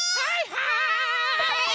はい！